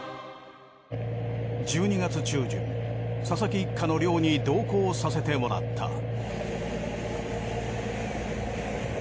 佐々木一家の漁に同行させてもらった。